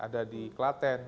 ada di kelaten